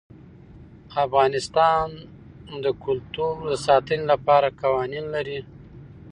افغانستان د کلتور د ساتنې لپاره قوانین لري.